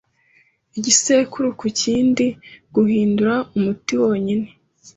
Igisekuru ku kindi Guhindura umuti wonyine